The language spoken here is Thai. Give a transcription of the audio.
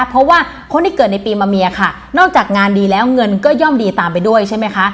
เพราะว่าคนที่เกิดในปีมะเมียค่ะนอกจากงานดีแล้วเงินก็ย่อมดีตามไปด้วยใช่ไหมคะ